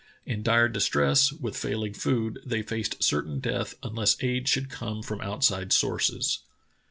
In dire distress, with failing food, they faced certain death un less aid should come from outside sources.